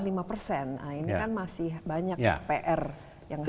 nah ini kan masih banyak pr yang harus